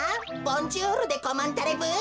ボンジュールでコマンタレブー。